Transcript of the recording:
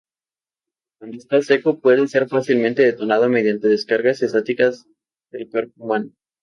Cuando está seco, puede ser fácilmente detonado mediante descargas estáticas del cuerpo humano.